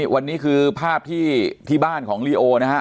วันนี้คือภาพที่บ้านของลีโอนะฮะ